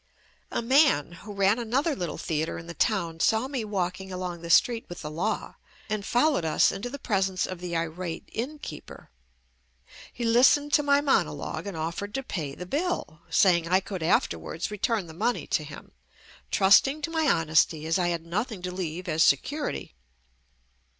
A man who ran another little theatre in the town saw me walking along the street with the law and followed us into the presence of the irate innkeeper. He listened to my mono logue and offered to pay the bill, saying I could afterwards return the money to him, trusting to my honesty as I had nothing to leave as security.